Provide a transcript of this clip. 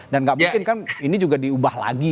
dan gak mungkin kan ini juga diubah lagi